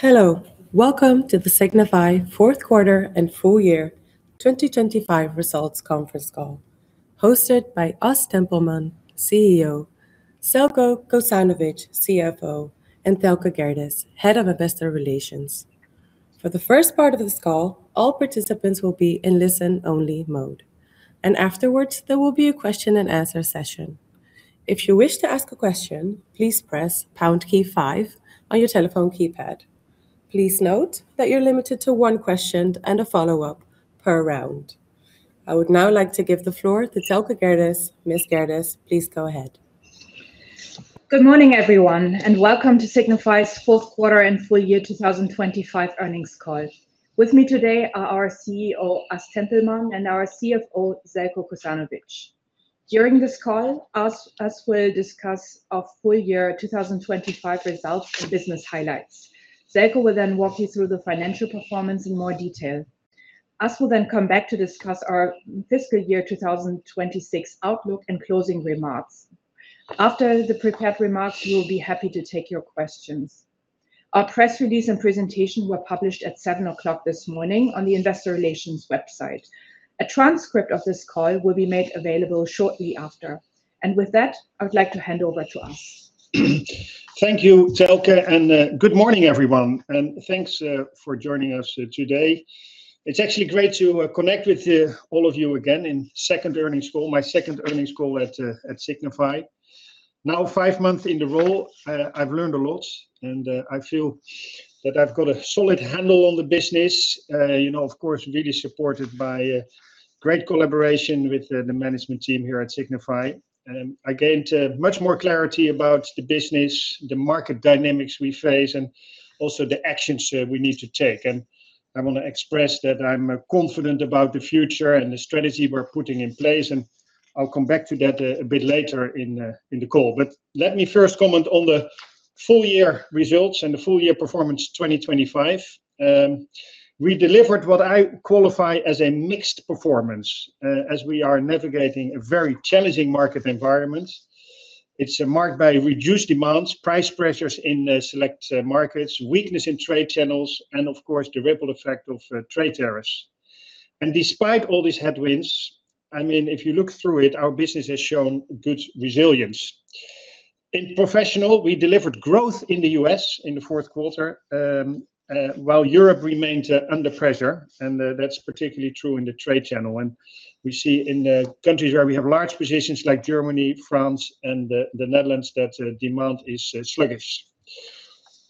Hello, welcome to the Signify Fourth Quarter and Full Year 2025 Results Conference Call, hosted by As Tempelman, CEO, Željko Kosanović, CFO, and Thelke Gerdes, Head of Investor Relations. For the first part of this call, all participants will be in listen-only mode, and afterwards, there will be a question-and-answer session. If you wish to ask a question, please press pound key five on your telephone keypad. Please note that you're limited to one question and a follow-up per round. I would now like to give the floor to Thelke Gerdes. Ms. Gerdes, please go ahead. Good morning, everyone, and welcome to Signify's Fourth Quarter and Full Year 2025 Earnings Call. With me today are our CEO, As Tempelman, and our CFO, Željko Kosanović. During this call, As will discuss our full year 2025 results and business highlights. Željko will then walk you through the financial performance in more detail. As will then come back to discuss our fiscal year 2026 outlook and closing remarks. After the prepared remarks, we will be happy to take your questions. Our press release and presentation were published at 7:00 A.M. this morning on the investor relations website. A transcript of this call will be made available shortly after, and with that, I would like to hand over to As. Thank you, Thelke, and good morning, everyone, and thanks for joining us today. It's actually great to connect with all of you again in second earnings call, my second earnings call at Signify. Now, five months in the role, I've learned a lot, and I feel that I've got a solid handle on the business. You know, of course, really supported by a great collaboration with the management team here at Signify. I gained much more clarity about the business, the market dynamics we face, and also the actions we need to take. I want to express that I'm confident about the future and the strategy we're putting in place, and I'll come back to that a bit later in the call. But let me first comment on the full year results and the full year performance 2025. We delivered what I qualify as a mixed performance, as we are navigating a very challenging market environment. It's marked by reduced demands, price pressures in, select, markets, weakness in trade channels, and of course, the ripple effect of, trade tariffs. And despite all these headwinds, I mean, if you look through it, our business has shown good resilience. In professional, we delivered growth in the U.S. in the fourth quarter, while Europe remained, under pressure, and, that's particularly true in the trade channel. And we see in, countries where we have large positions like Germany, France, and the Netherlands, that, demand is, sluggish.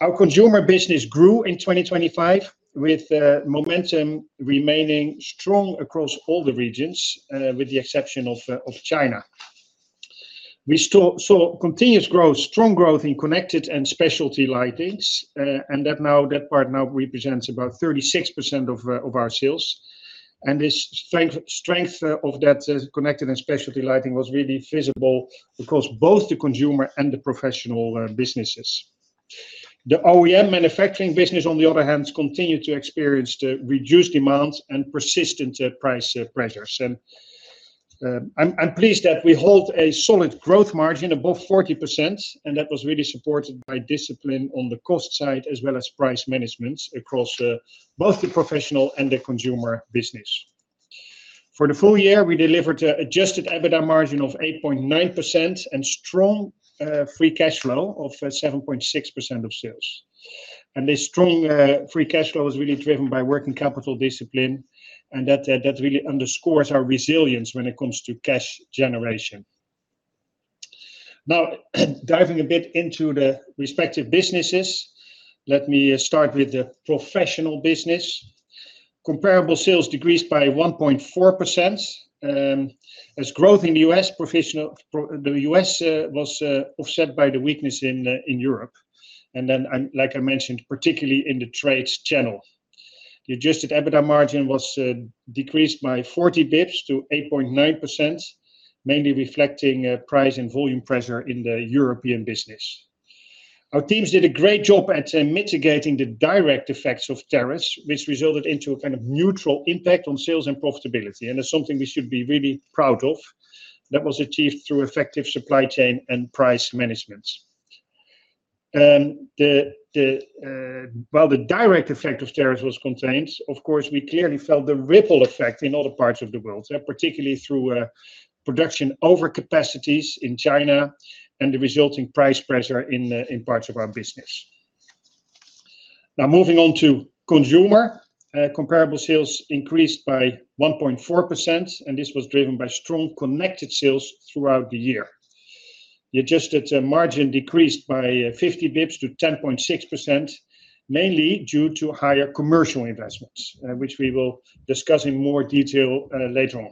Our consumer business grew in 2025, with momentum remaining strong across all the regions, with the exception of China. We saw continuous growth, strong growth in connected and specialty lighting, and that part now represents about 36% of our sales. The strength of that connected and specialty lighting was really visible across both the consumer and the professional businesses. The OEM manufacturing business, on the other hand, continued to experience the reduced demands and persistent price pressures. I'm pleased that we hold a solid gross margin above 40%, and that was really supported by discipline on the cost side, as well as price management across both the professional and the consumer business. For the full year, we delivered a Adjusted EBITDA margin of 8.9% and strong free cash flow of 7.6% of sales. This strong free cash flow is really driven by working capital discipline, and that really underscores our resilience when it comes to cash generation. Now, diving a bit into the respective businesses, let me start with the professional business. Comparable sales decreased by 1.4%, as growth in the U.S. was offset by the weakness in Europe, and then, like I mentioned, particularly in the trades channel. The Adjusted EBITDA margin was decreased by 40 basis points to 8.9%, mainly reflecting price and volume pressure in the European business. Our teams did a great job at mitigating the direct effects of tariffs, which resulted into a kind of neutral impact on sales and profitability, and it's something we should be really proud of. That was achieved through effective supply chain and price management. While the direct effect of tariffs was contained, of course, we clearly felt the ripple effect in other parts of the world, particularly through production overcapacities in China and the resulting price pressure in parts of our business. Now, moving on to consumer, comparable sales increased by 1.4%, and this was driven by strong connected sales throughout the year. Adjusted margin decreased by 50 basis points to 10.6%, mainly due to higher commercial investments, which we will discuss in more detail later on.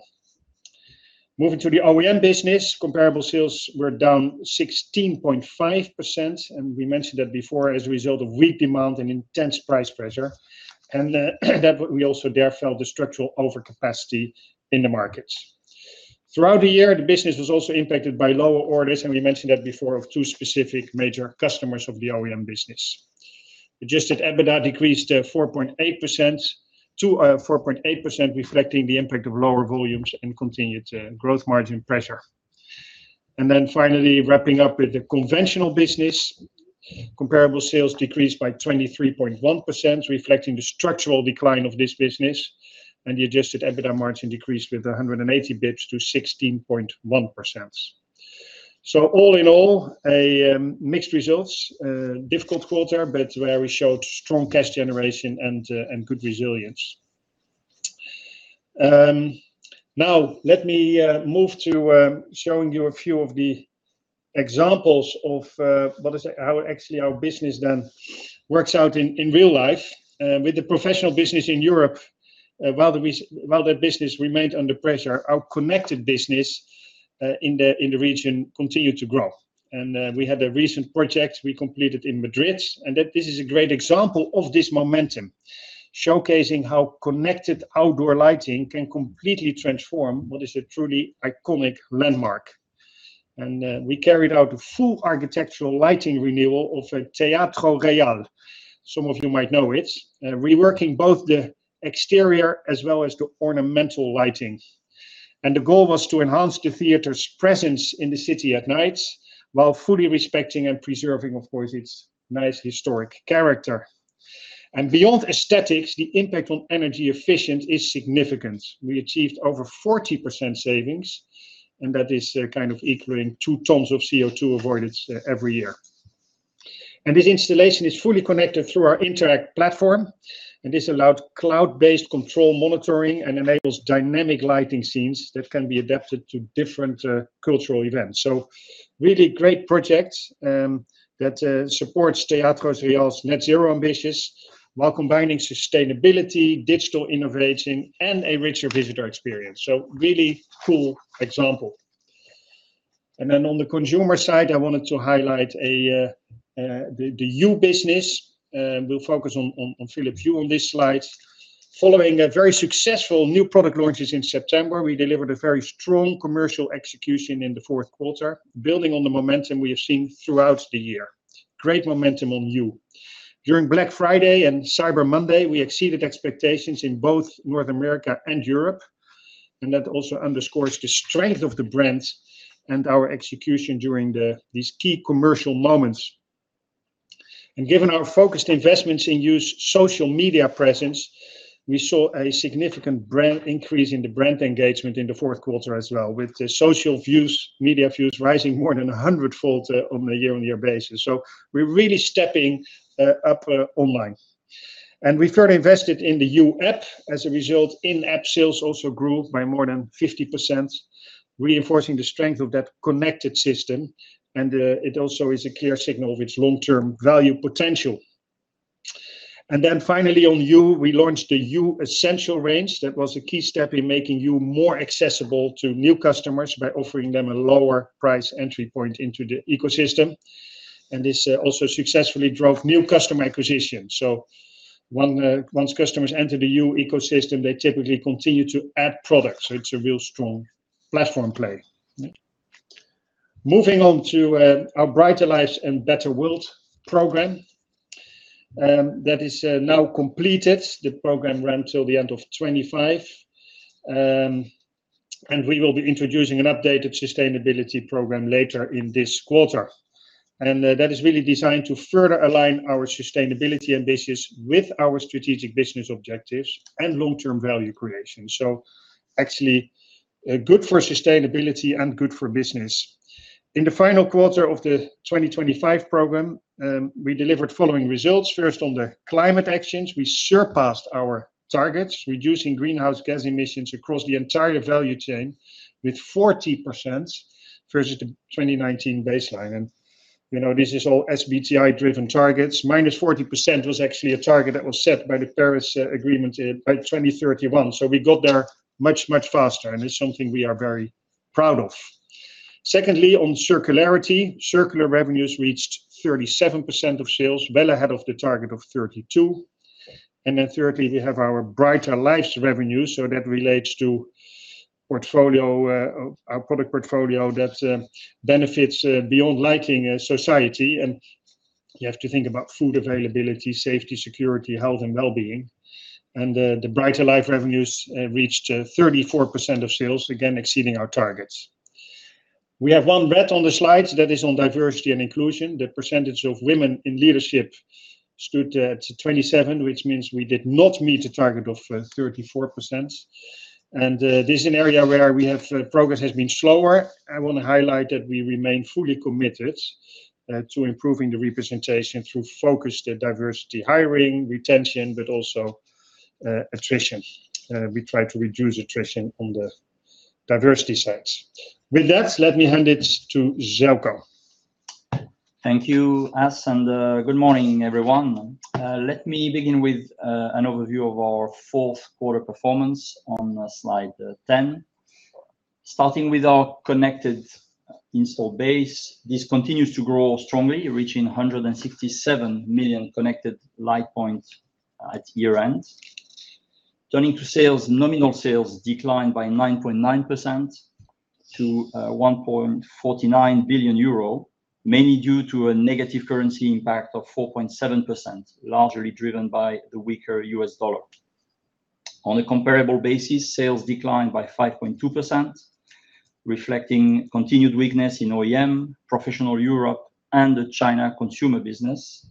Moving to the OEM business, comparable sales were down 16.5%, and we mentioned that before, as a result of weak demand and intense price pressure, and, that we also there felt the structural overcapacity in the markets. Throughout the year, the business was also impacted by lower orders, and we mentioned that before of two specific major customers of the OEM business. Adjusted EBITDA decreased 4.8% to 4.8% percent, reflecting the impact of lower volumes and continued gross margin pressure. And then finally, wrapping up with the conventional business, comparable sales decreased by 23.1%, reflecting the structural decline of this business, and the Adjusted EBITDA margin decreased with 180 basis points to 16.1%. So all in all, a mixed results, a difficult quarter, but where we showed strong cash generation and good resilience. Now let me move to showing you a few of the examples of what is actually our business then works out in real life. With the professional business in Europe, while the business remained under pressure, our connected business in the region continued to grow. And we had a recent project we completed in Madrid, and that this is a great example of this momentum, showcasing how connected outdoor lighting can completely transform what is a truly iconic landmark. And we carried out a full architectural lighting renewal of Teatro Real. Some of you might know it, reworking both the exterior as well as the ornamental lighting. The goal was to enhance the theater's presence in the city at night, while fully respecting and preserving, of course, its nice historic character. Beyond aesthetics, the impact on energy efficient is significant. We achieved over 40% savings, and that is kind of equaling 2 tons of CO2 avoidance every year. This installation is fully connected through our Interact platform, and this allowed cloud-based control monitoring and enables dynamic lighting scenes that can be adapted to different cultural events. So really great project that supports Teatro Real's net zero ambitions, while combining sustainability, digital innovation, and a richer visitor experience. So really cool example. Then on the consumer side, I wanted to highlight the Hue business. We'll focus on Philips Hue on this slide. Following a very successful new product launches in September, we delivered a very strong commercial execution in the fourth quarter, building on the momentum we have seen throughout the year. Great momentum on Hue. During Black Friday and Cyber Monday, we exceeded expectations in both North America and Europe, and that also underscores the strength of the brand and our execution during these key commercial moments. And given our focused investments in Hue's social media presence, we saw a significant brand increase in the brand engagement in the fourth quarter as well, with the social views, media views rising more than a hundredfold, on a year-on-year basis. So we're really stepping up online. And we further invested in the Hue app. As a result, in-app sales also grew by more than 50%, reinforcing the strength of that connected system, and it also is a clear signal of its long-term value potential. Then finally, on Hue, we launched the Hue Essential range. That was a key step in making Hue more accessible to new customers by offering them a lower price entry point into the ecosystem. And this also successfully drove new customer acquisition. So once customers enter the Hue ecosystem, they typically continue to add products, so it's Brighter Lives and Better World program, that is now completed. the program ran till the end of 2025. We will be introducing an updated sustainability program later in this quarter. That is really designed to further align our sustainability ambitions with our strategic business objectives and long-term value creation. So actually, good for sustainability and good for business. In the final quarter of the 2025 program, we delivered following results. First, on the climate actions, we surpassed our targets, reducing greenhouse gas emissions across the entire value chain with 40% versus the 2019 baseline. And you know, this is all SBTi-driven targets. -40% was actually a target that was set by the Paris Agreement by 2031. So we got there much, much faster, and it's something we are very proud of. Secondly, on circularity, circular revenues reached 37% of sales, well ahead of the target of 32%. And then thirdly, we Brighter Lives revenue, so that relates to our product portfolio that benefits beyond lighting society. And you have to think about food availability, safety, security, health, and well-being. And the Brighter Lives revenues reached 34% of sales, again, exceeding our targets. We have one red on the slides that is on diversity and inclusion. The percentage of women in leadership stood at 27, which means we did not meet the target of 34%. And this is an area where progress has been slower. I want to highlight that we remain fully committed to improving the representation through focused diversity, hiring, retention, but also attrition. We try to reduce attrition on the diversity sides. With that, let me hand it to Željko. Thank you, As, and good morning, everyone. Let me begin with an overview of our fourth quarter performance on slide 10. Starting with our connected install base, this continues to grow strongly, reaching 167 million connected light points at year-end. Turning to sales, nominal sales declined by 9.9% to 1.49 billion euro, mainly due to a negative currency impact of 4.7%, largely driven by the weaker U.S. dollar. On a comparable basis, sales declined by 5.2%, reflecting continued weakness in OEM, professional Europe, and the China consumer business.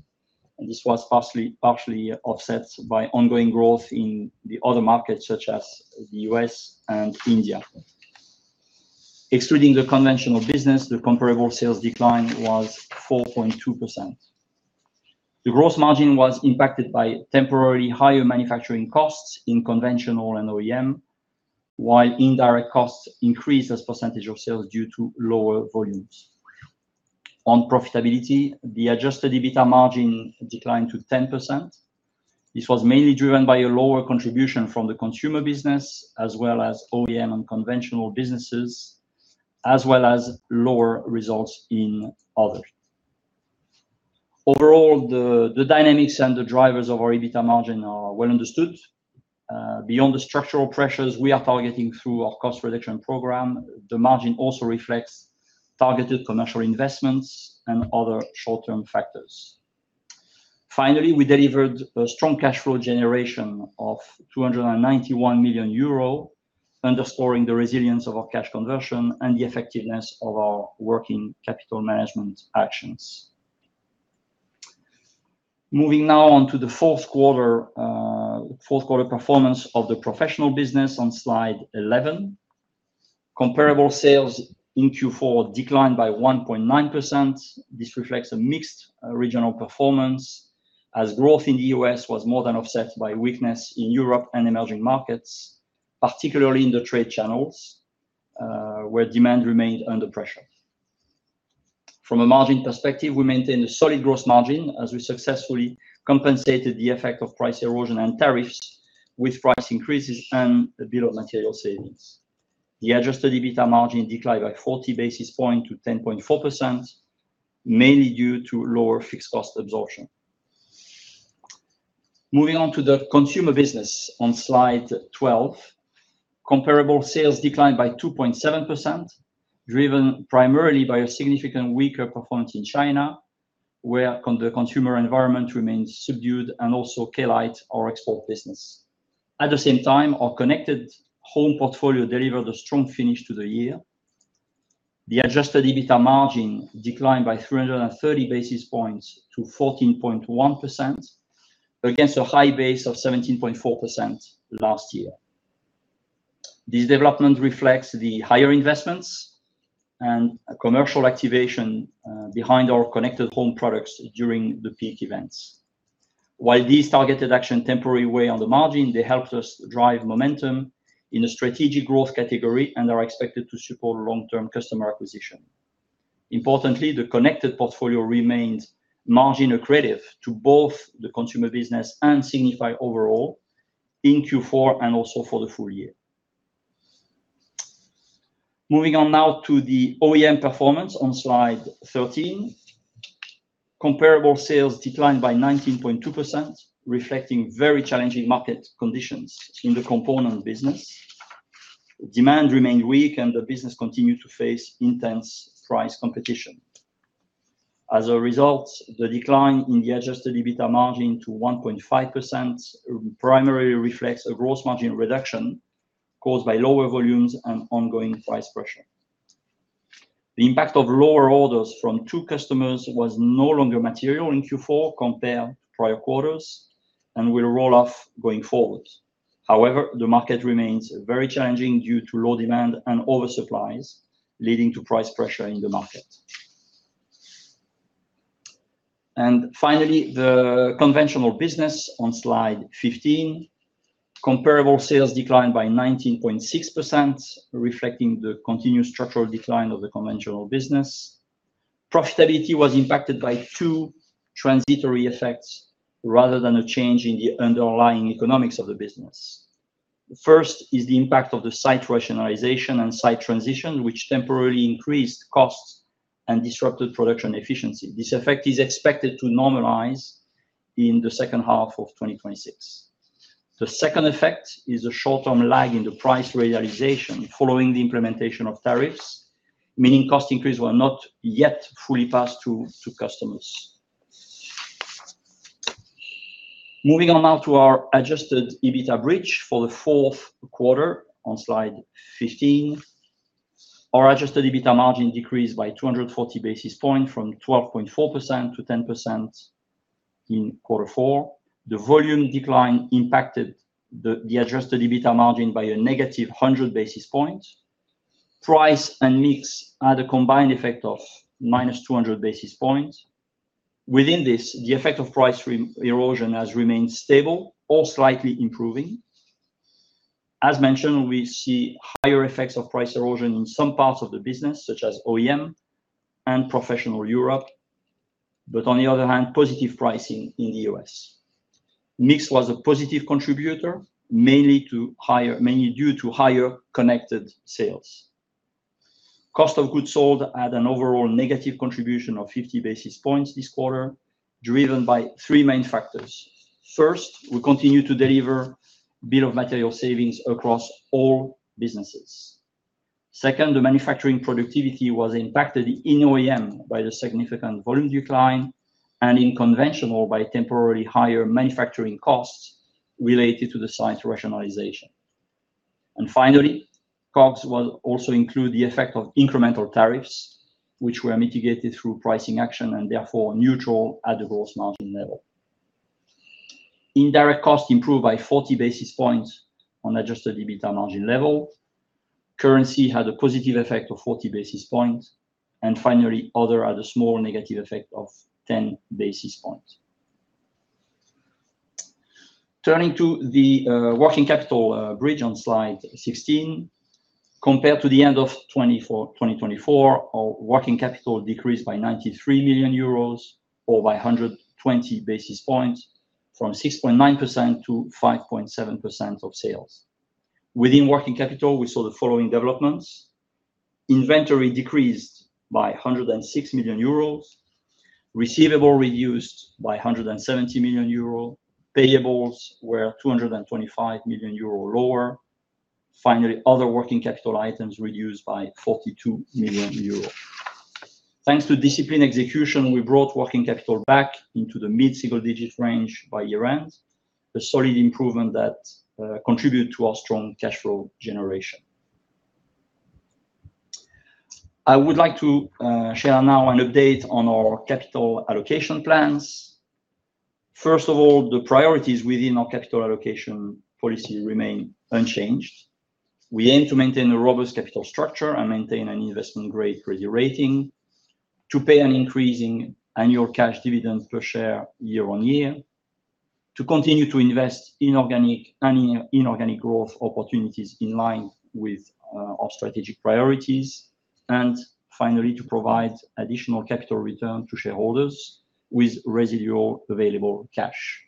And this was partially, partially offset by ongoing growth in the other markets, such as the U.S. and India. Excluding the conventional business, the comparable sales decline was 4.2%. The gross margin was impacted by temporary higher manufacturing costs in conventional and OEM, while indirect costs increased as a percentage of sales due to lower volumes. On profitability, the Adjusted EBITDA margin declined to 10%. This was mainly driven by a lower contribution from the consumer business, as well as OEM and conventional businesses, as well as lower results in other. Overall, the dynamics and the drivers of our EBITDA margin are well understood. Beyond the structural pressures we are targeting through our cost reduction program, the margin also reflects targeted commercial investments and other short-term factors. Finally, we delivered a strong cash flow generation of 291 million euro, underscoring the resilience of our cash conversion and the effectiveness of our working capital management actions. Moving now on to the fourth quarter performance of the professional business on slide 11. Comparable sales in Q4 declined by 1.9%. This reflects a mixed regional performance, as growth in the U.S. was more than offset by weakness in Europe and emerging markets, particularly in the trade channels, where demand remained under pressure. From a margin perspective, we maintained a solid gross margin as we successfully compensated the effect of price erosion and tariffs with price increases and a Bill of Materials savings. The Adjusted EBITDA margin declined by 40 basis points to 10.4%, mainly due to lower fixed cost absorption. Moving on to the consumer business on slide 12. Comparable sales declined by 2.7%, driven primarily by a significantly weaker performance in China, where the consumer environment remains subdued and also Klite, our export business. At the same time, our connected home portfolio delivered a strong finish to the year. The Adjusted EBITDA margin declined by 330 basis points to 14.1%, against a high base of 17.4% last year. This development reflects the higher investments and a commercial activation behind our connected home products during the peak events. While these targeted action temporary weigh on the margin, they helped us drive momentum in a strategic growth category and are expected to support long-term customer acquisition. Importantly, the connected portfolio remains margin accretive to both the consumer business and Signify overall in Q4 and also for the full year. Moving on now to the OEM performance on slide 13. Comparable sales declined by 19.2%, reflecting very challenging market conditions in the component business. Demand remained weak, and the business continued to face intense price competition. As a result, the decline in the Adjusted EBITDA margin to 1.5%, primarily reflects a gross margin reduction caused by lower volumes and ongoing price pressure. The impact of lower orders from two customers was no longer material in Q4 compared to prior quarters and will roll off going forward. However, the market remains very challenging due to low demand and oversupplies, leading to price pressure in the market. And finally, the conventional business on slide 15. Comparable sales declined by 19.6%, reflecting the continued structural decline of the conventional business. Profitability was impacted by two transitory effects, rather than a change in the underlying economics of the business. First is the impact of the site rationalization and site transition, which temporarily increased costs and disrupted production efficiency. This effect is expected to normalize in the second half of 2026. The second effect is a short-term lag in the price realization following the implementation of tariffs, meaning cost increases were not yet fully passed to customers. Moving on now to our Adjusted EBITDA bridge for the fourth quarter on slide 15. Our Adjusted EBITDA margin decreased by 240 basis points, from 12.4% to 10% in quarter four. The volume decline impacted the Adjusted EBITDA margin by -100 basis points. Price and mix had a combined effect of -200 basis points. Within this, the effect of price erosion has remained stable or slightly improving. As mentioned, we see higher effects of price erosion in some parts of the business, such as OEM and professional Europe, but on the other hand, positive pricing in the U.S.. Mix was a positive contributor, mainly due to higher connected sales. Cost of goods sold had an overall negative contribution of 50 basis points this quarter, driven by three main factors. First, we continue to deliver bill of material savings across all businesses. Second, the manufacturing productivity was impacted in OEM by the significant volume decline, and in conventional by temporary higher manufacturing costs related to the site rationalization. And finally, COGS will also include the effect of incremental tariffs, which were mitigated through pricing action, and therefore, neutral at the gross margin level. Indirect costs improved by 40 basis points on Adjusted EBITDA margin level. Currency had a positive effect of 40 basis points. And finally, other had a small negative effect of 10 basis points. Turning to the working capital bridge on slide 16, compared to the end of 2024, our working capital decreased by 93 million euros, or by 120 basis points, from 6.9% to 5.7% of sales. Within working capital, we saw the following developments: Inventory decreased by 106 million euros. Receivables reduced by 170 million euro. Payables were 225 million euro lower. Finally, other working capital items reduced by 42 million euro. Thanks to disciplined execution, we brought working capital back into the mid-single digit range by year-end, a solid improvement that contributed to our strong cash flow generation. I would like to share now an update on our capital allocation plans. First of all, the priorities within our capital allocation policy remain unchanged. We aim to maintain a robust capital structure and maintain an investment-grade credit rating, to pay an increasing annual cash dividend per share year on year, to continue to invest in organic and in-organic growth opportunities in line with, our strategic priorities, and finally, to provide additional capital return to shareholders with residual available cash.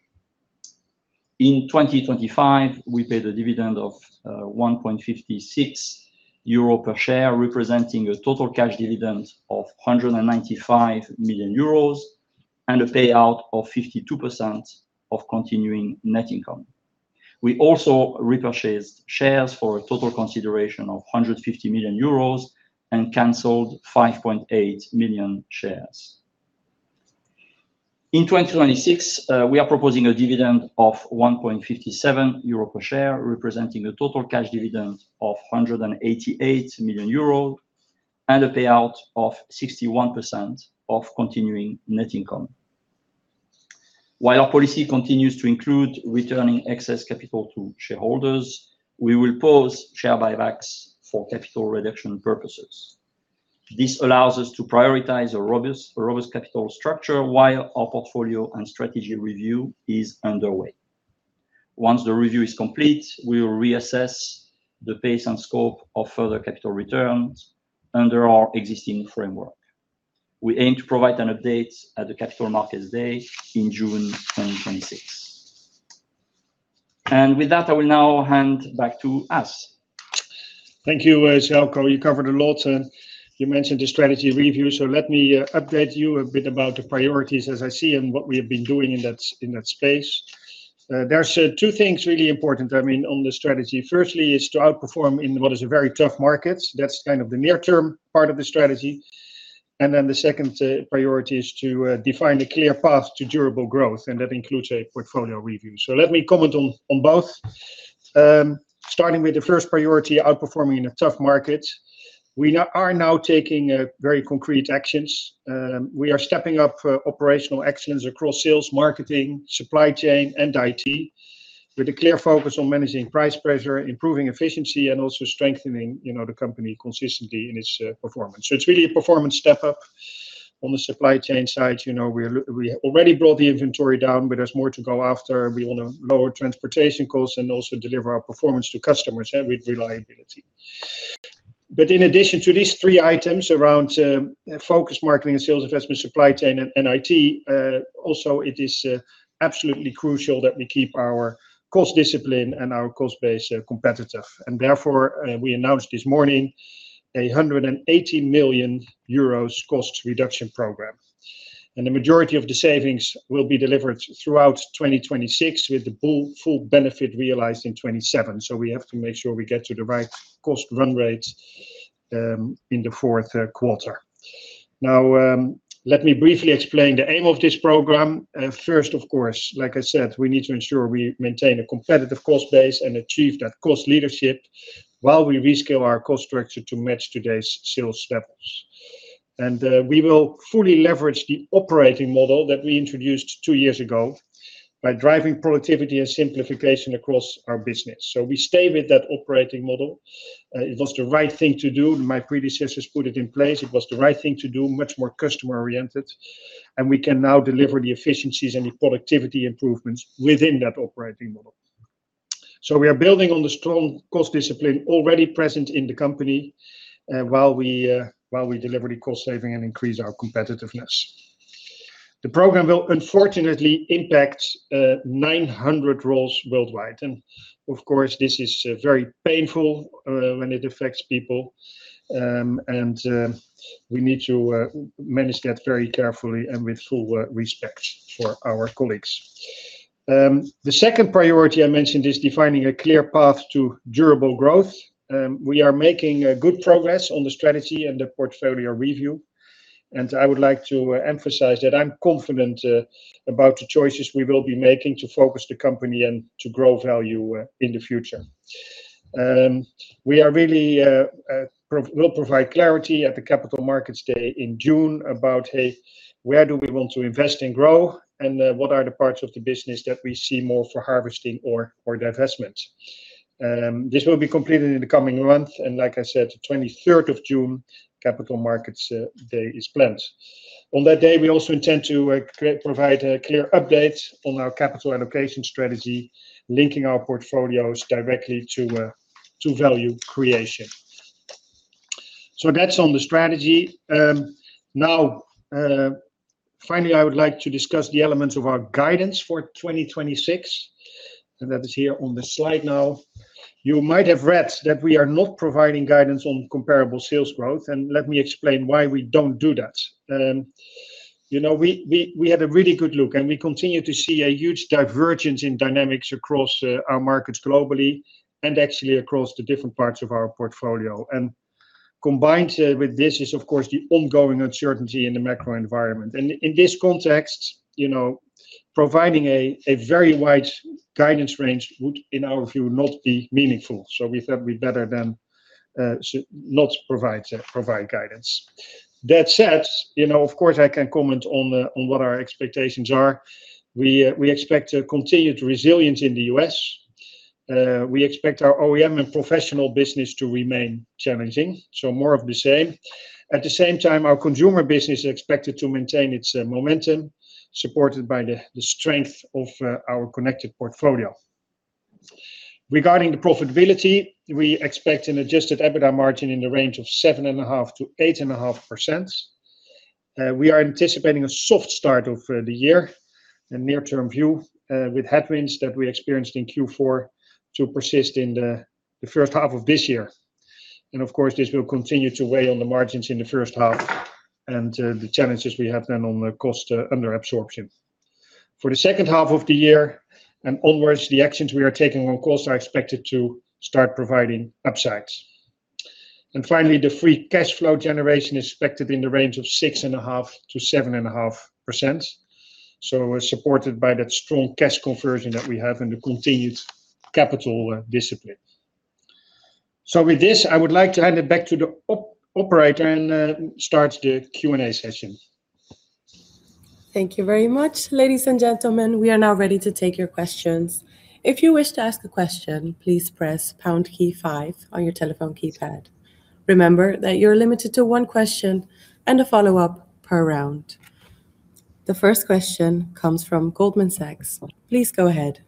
In 2025, we paid a dividend of 1.56 euro per share, representing a total cash dividend of 195 million euros, and a payout of 52% of continuing net income. We also repurchased shares for a total consideration of 150 million euros and canceled 5.8 million shares. In 2026, we are proposing a dividend of 1.57 euro per share, representing a total cash dividend of 188 million euro, and a payout of 61% of continuing net income. While our policy continues to include returning excess capital to shareholders, we will pause share buybacks for capital reduction purposes. This allows us to prioritize a robust capital structure while our portfolio and strategy review is underway. Once the review is complete, we will reassess the pace and scope of further capital returns under our existing framework. We aim to provide an update at the Capital Markets Day in June 2026. With that, I will now hand back to As. Thank you, Željko. You covered a lot, and you mentioned the strategy review, so let me update you a bit about the priorities as I see and what we have been doing in that, in that space. There's two things really important, I mean, on the strategy. Firstly, is to outperform in what is a very tough market. That's kind of the near term part of the strategy. And then the second priority is to define a clear path to durable growth, and that includes a portfolio review. So let me comment on both. Starting with the first priority, outperforming in a tough market. We are now taking very concrete actions. We are stepping up operational excellence across sales, marketing, supply chain, and IT, with a clear focus on managing price pressure, improving efficiency, and also strengthening, you know, the company consistently in its performance. So it's really a performance step up. On the supply chain side, you know, we have already brought the inventory down, but there's more to go after. We want to lower transportation costs and also deliver our performance to customers, and with reliability. But in addition to these three items around focus, marketing and sales, investment, supply chain, and IT, also, it is absolutely crucial that we keep our cost discipline and our cost base competitive. And therefore, we announced this morning a 180 million euros cost reduction program. The majority of the savings will be delivered throughout 2026, with the full benefit realized in 2027. So we have to make sure we get to the right cost run rate in the fourth quarter. Now, let me briefly explain the aim of this program. First, of course, like I said, we need to ensure we maintain a competitive cost base and achieve that cost leadership while we rescale our cost structure to match today's sales levels. We will fully leverage the operating model that we introduced two years ago by driving productivity and simplification across our business. We stay with that operating model. It was the right thing to do. My predecessors put it in place. It was the right thing to do, much more customer-oriented, and we can now deliver the efficiencies and the productivity improvements within that operating model. So we are building on the strong cost discipline already present in the company while we deliver the cost saving and increase our competitiveness. The program will unfortunately impact 900 roles worldwide, and of course, this is very painful when it affects people. And we need to manage that very carefully and with full respect for our colleagues. The second priority I mentioned is defining a clear path to durable growth. We are making good progress on the strategy and the portfolio review, and I would like to emphasize that I'm confident about the choices we will be making to focus the company and to grow value in the future. We are really, we'll provide clarity at the Capital Markets Day in June about, hey, where do we want to invest and grow, and what are the parts of the business that we see more for harvesting or divestment? This will be completed in the coming months, and like I said, the twenty-third of June, Capital Markets Day is planned. On that day, we also intend to provide a clear update on our capital allocation strategy, linking our portfolios directly to value creation. So that's on the strategy. Now, finally, I would like to discuss the elements of our guidance for 2026, and that is here on the slide now. You might have read that we are not providing guidance on comparable sales growth, and let me explain why we don't do that. You know, we had a really good look, and we continue to see a huge divergence in dynamics across our markets globally and actually across the different parts of our portfolio. And combined with this is, of course, the ongoing uncertainty in the macro environment. And in this context, you know, providing a very wide guidance range would, in our view, not be meaningful. So we thought we'd better then not provide guidance. That said, you know, of course, I can comment on what our expectations are. We, we expect a continued resilience in the U.S.. We expect our OEM and professional business to remain challenging, so more of the same. At the same time, our consumer business is expected to maintain its momentum, supported by the strength of our connected portfolio. Regarding the profitability, we expect an Adjusted EBITDA margin in the range of 7.5%-8.5%. We are anticipating a soft start of the year, a near-term view with headwinds that we experienced in Q4 to persist in the first half of this year. Of course, this will continue to weigh on the margins in the first half, and the challenges we have then on the cost under absorption. For the second half of the year and onwards, the actions we are taking on costs are expected to start providing upsides. And finally, the free cash flow generation is expected in the range of 6.5%-7.5%. So we're supported by that strong cash conversion that we have and the continued capital discipline. So with this, I would like to hand it back to the operator and start the Q&A session. Thank you very much. Ladies and gentlemen, we are now ready to take your questions. If you wish to ask a question, please press pound key five on your telephone keypad. Remember that you're limited to one question and a follow-up per round. The first question comes from Goldman Sachs. Please go ahead.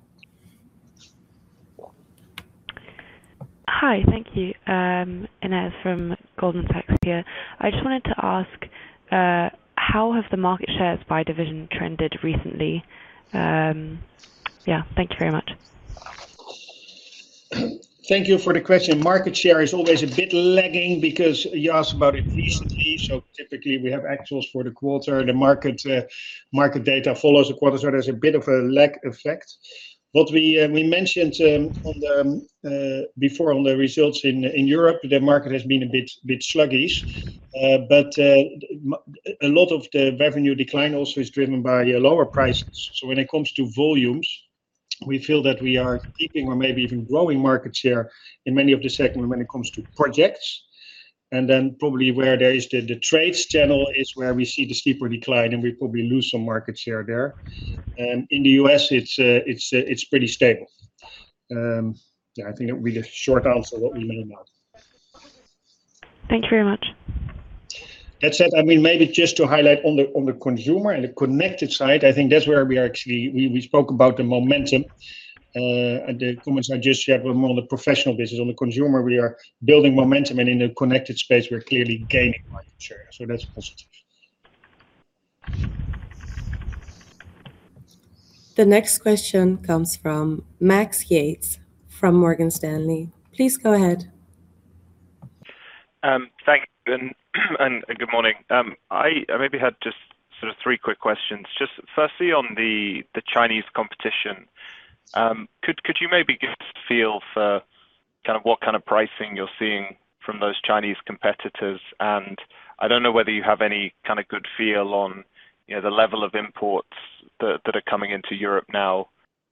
Hi. Thank you. Ines from Goldman Sachs here. I just wanted to ask, how have the market shares by division trended recently? Yeah. Thank you very much. Thank you for the question. Market share is always a bit lagging because you asked about it recently. So typically, we have actuals for the quarter, and the market, market data follows the quarter, so there's a bit of a lag effect. What we, we mentioned, before on the results in, in Europe, the market has been a bit, bit sluggish, but, a lot of the revenue decline also is driven by lower prices. So when it comes to volumes, we feel that we are keeping or maybe even growing market share in many of the segments when it comes to projects. And then probably where there is the, the trades channel is where we see the steeper decline, and we probably lose some market share there. In the U.S., it's, it's, it's pretty stable. Yeah, I think we just short answer what we mean now. Thank you very much. That said, I mean, maybe just to highlight on the consumer and the connected side, I think that's where we are actually... We spoke about the momentum, the comments I just shared were more on the professional business. On the consumer, we are building momentum, and in the connected space, we're clearly gaining market share, so that's positive. The next question comes from Max Yates, from Morgan Stanley. Please go ahead. Thanks, and good morning. I maybe had just sort of three quick questions. Just firstly, on the Chinese competition, could you maybe give us a feel for kind of what kind of pricing you're seeing from those Chinese competitors? And I don't know whether you have any kind of good feel on, you know, the level of imports that are coming into Europe now,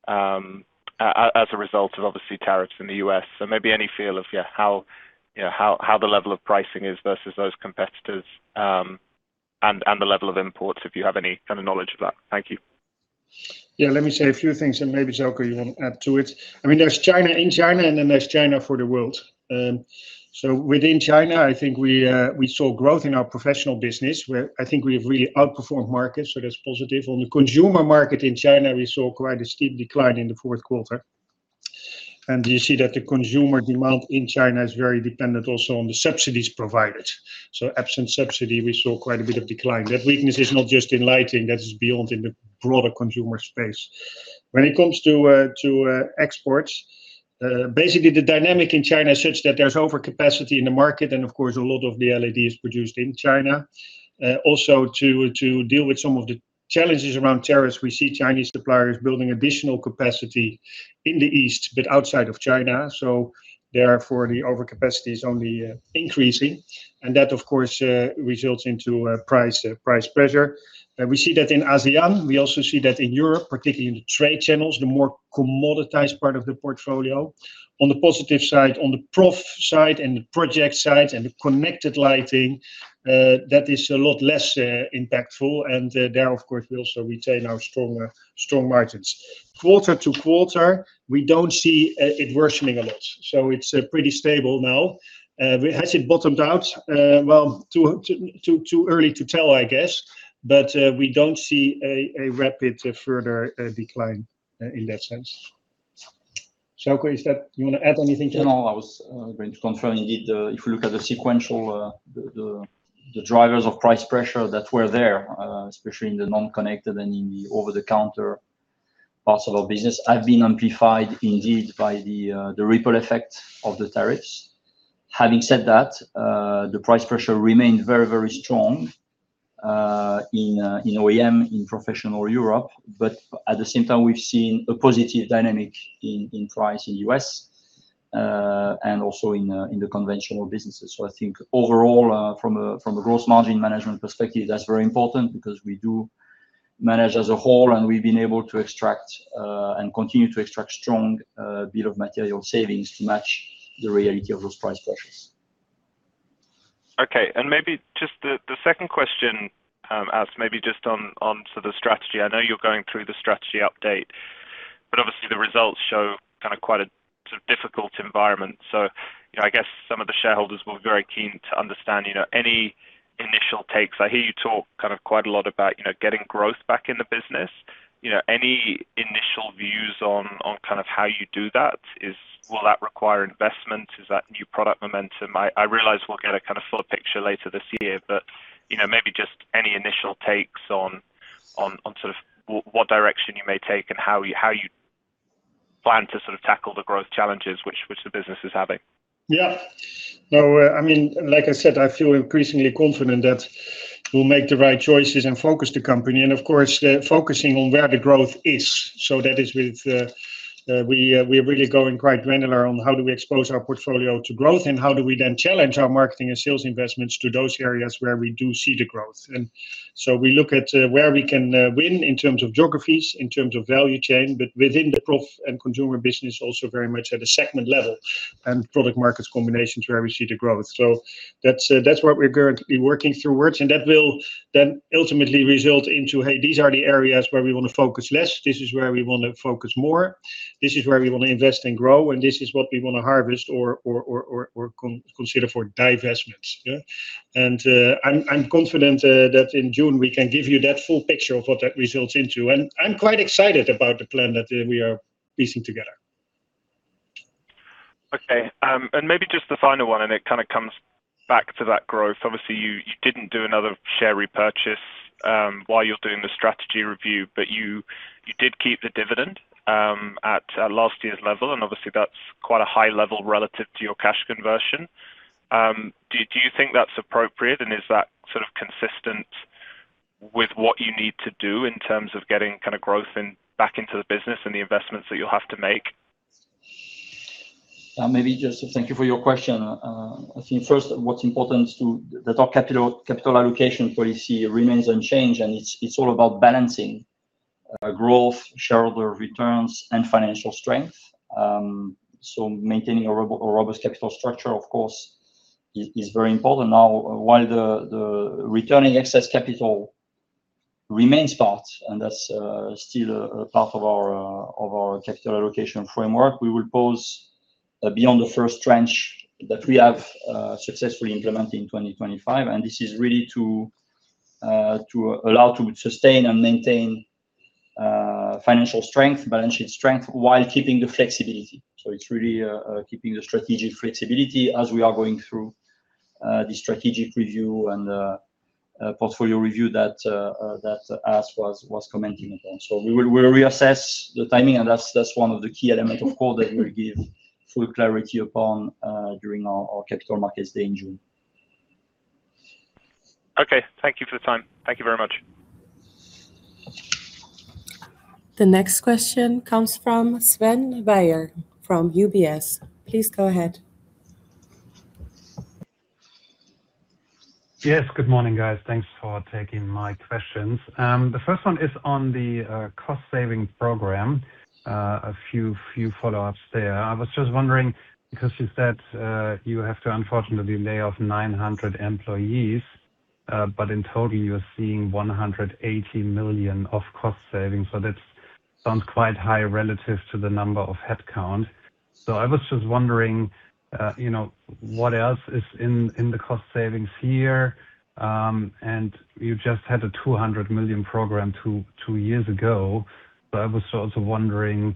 as a result of obviously tariffs in the U.S. So maybe any feel of, yeah, how, you know, how the level of pricing is versus those competitors, and the level of imports, if you have any kind of knowledge of that. Thank you. Yeah, let me say a few things, and maybe, Željko, you want to add to it. I mean, there's China in China, and then there's China for the world. So within China, I think we, we saw growth in our professional business, where I think we've really outperformed markets, so that's positive. On the consumer market in China, we saw quite a steep decline in the fourth quarter. And you see that the consumer demand in China is very dependent also on the subsidies provided. So absent subsidy, we saw quite a bit of decline. That weakness is not just in lighting, that is beyond in the broader consumer space. When it comes to exports, basically, the dynamic in China is such that there's overcapacity in the market, and of course, a lot of the LED is produced in China. Also to deal with some of the challenges around tariffs, we see Chinese suppliers building additional capacity in the East, but outside of China. So therefore, the overcapacity is only increasing, and that, of course, results into price pressure. And we see that in ASEAN. We also see that in Europe, particularly in the trade channels, the more commoditized part of the portfolio. On the positive side, on the professional side and the project side and the connected lighting, that is a lot less impactful. And there, of course, we also retain our strong margins. Quarter to quarter, we don't see it worsening a lot, so it's pretty stable now. Has it bottomed out? Well, too early to tell, I guess, but we don't see a rapid further decline in that sense. Željko, is that you want to add anything to that? No, I was going to confirm indeed, if you look at the sequential, the drivers of price pressure that were there, especially in the non-connected and in the over-the-counter parts of our business, have been amplified indeed by the ripple effect of the tariffs. Having said that, the price pressure remained very, very strong, in OEM, in professional Europe, but at the same time, we've seen a positive dynamic in price in U.S., and also in the conventional businesses. So I think overall, from a gross margin management perspective, that's very important because we do manage as a whole, and we've been able to extract and continue to extract strong Bill of Material savings to match the reality of those price pressures. Okay, and maybe just the second question, ask maybe just on to the strategy. I know you're going through the strategy update, but obviously, the results show kind of quite a difficult environment. So, you know, I guess some of the shareholders were very keen to understand, you know, any initial takes. I hear you talk kind of quite a lot about, you know, getting growth back in the business. You know, any initial views on kind of how you do that? Is will that require investment? Is that new product momentum? I realize we'll get a kind of full picture later this year, but, you know, maybe just any initial takes on sort of what direction you may take and how you plan to sort of tackle the growth challenges which the business is having. Yeah. So, I mean, like I said, I feel increasingly confident that we'll make the right choices and focus the company, and of course, focusing on where the growth is. So that is, we're really going quite granular on how do we expose our portfolio to growth, and how do we then challenge our marketing and sales investments to those areas where we do see the growth. And so we look at, where we can, win in terms of geographies, in terms of value chain, but within the growth and consumer business, also very much at a segment level, and product markets combinations where we see the growth. So that's, that's what we're currently working through now, and that will then ultimately result into, "Hey, these are the areas where we want to focus less. This is where we want to focus more. This is where we want to invest and grow, and this is what we want to harvest or consider for divestments. Yeah. And, I'm confident that in June we can give you that full picture of what that results into, and I'm quite excited about the plan that we are piecing together. Okay, and maybe just the final one, and it kind of comes back to that growth. Obviously, you, you didn't do another share repurchase, while you're doing the strategy review, but you, you did keep the dividend, at last year's level, and obviously, that's quite a high level relative to your cash conversion. Do, do you think that's appropriate, and is that sort of consistent with what you need to do in terms of getting kind of growth back into the business and the investments that you'll have to make? Maybe just thank you for your question. I think first, what's important is that our capital allocation policy remains unchanged, and it's all about balancing growth, shareholder returns, and financial strength. So maintaining a robust capital structure, of course, is very important. Now, while the returning excess capital remains part, and that's still a part of our capital allocation framework, we will pause beyond the first tranche that we have successfully implemented in 2025, and this is really to allow to sustain and maintain financial strength, balance sheet strength, while keeping the flexibility. So it's really keeping the strategic flexibility as we are going through the strategic review and portfolio review that As Tempelman was commenting upon. We'll reassess the timing, and that's one of the key elements, of course, that we'll give full clarity upon during our Capital Markets Day in June. Okay. Thank you for the time. Thank you very much. The next question comes from Sven Weier from UBS. Please go ahead. Yes, good morning, guys. Thanks for taking my questions. The first one is on the cost-saving program. A few follow-ups there. I was just wondering, because you said you have to unfortunately lay off 900 employees, but in total, you're seeing 180 million of cost savings. So that sounds quite high relative to the number of headcount. So I was just wondering, you know, what else is in the cost savings here? And you just had a 200 million program two years ago. But I was also wondering,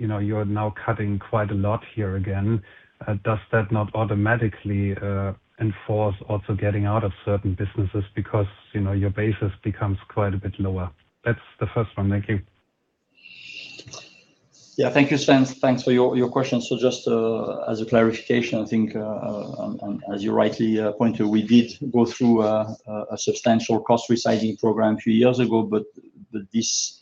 you know, you are now cutting quite a lot here again. Does that not automatically enforce also getting out of certain businesses because, you know, your basis becomes quite a bit lower? That's the first one. Thank you. Yeah, thank you, Sven. Thanks for your question. So just as a clarification, I think as you rightly pointed, we did go through a substantial cost resizing program a few years ago, but this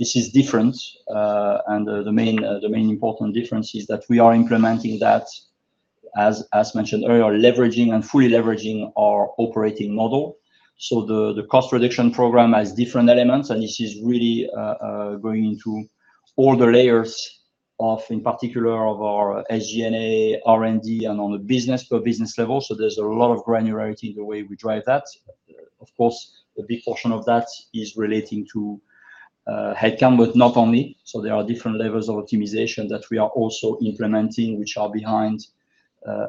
is different. And the main important difference is that we are implementing that, as mentioned earlier, leveraging and fully leveraging our operating model. So the cost reduction program has different elements, and this is really going into all the layers of, in particular, our SG&A, R&D, and on a business per business level. So there's a lot of granularity in the way we drive that. Of course, a big portion of that is relating to headcount, but not only. So there are different levels of optimization that we are also implementing, which are behind